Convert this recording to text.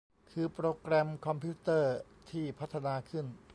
คือโปรแกรมคอมพิวเตอร์ที่พัฒนาขึ้น